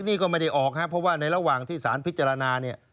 นี่ก็ไม่ได้ออกครับเพราะว่าในระหว่างที่สารพิจารณาเนี่ย